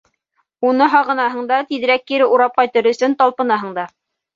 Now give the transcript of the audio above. Уны һағынаһың да, тиҙерәк кире урап ҡайтыр өсөн талпынаһың да.